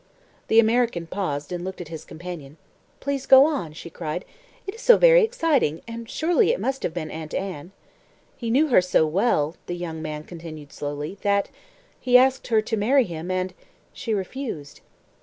The American paused, and looked at his companion. "Please go on," she cried, "it is so very exciting, and surely it must have been Aunt Anne." "He knew her so well," the young man continued slowly, "that he asked her to marry him, and she refused."